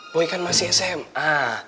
boy kan masih sma